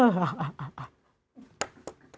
อ่ะตอบไหม